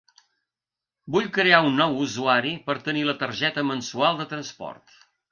Vull crear un nou usuari per tenir la targeta mensual de transport.